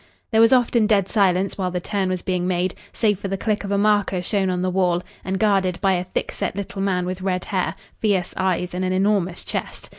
There was often dead silence while the turn was being made, save for the click of a marker shown on the wall and guarded by a thick set little man with red hair, fierce eyes, and an enormous chest.